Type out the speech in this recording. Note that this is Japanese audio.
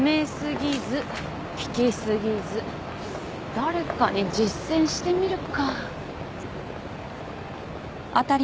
誰かに実践してみるか。